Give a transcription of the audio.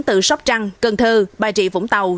từ sóc trăng cần thơ bà trị vũng tàu